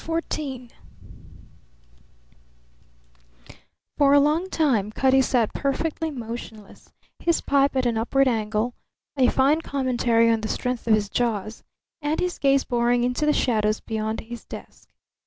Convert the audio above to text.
CHAPTER XIV For a long time Cutty sat perfectly motionless, his pipe at an upward angle a fine commentary on the strength of his jaws and his gaze boring into the shadows beyond his desk.